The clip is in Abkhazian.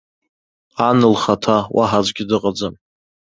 Ан лхаҭа, уаҳа аӡәгьы дыҟаӡам!